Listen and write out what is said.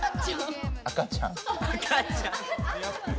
赤ちゃん。